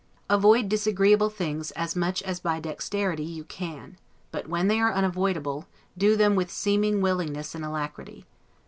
Avoid disagreeable things as much as by dexterity you can; but when they are unavoidable, do them with seeming willingness and alacrity.